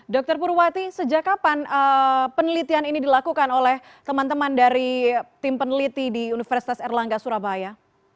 dr purwati sejak kapan penelitian ini dilakukan oleh teman teman dari tim peneliti di universitas erlangga surabaya